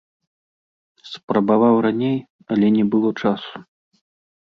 Спрабаваў раней, але не было часу.